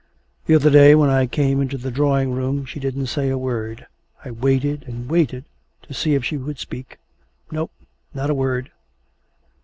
'The other day when I came into the drawing room she didn't say a word. I waited and waited to see if she would speak no, not a word.